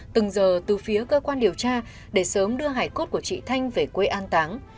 từng giờ từ phía cơ quan điều tra để sớm đưa hải cốt của chị thanh về quê an táng